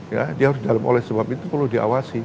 ya dia harus di dalam oleh sebuah pintu perlu diawasi